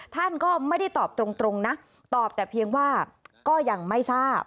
ท่านก็ไม่ได้ตอบตรงนะตอบแต่เพียงว่าก็ยังไม่ทราบ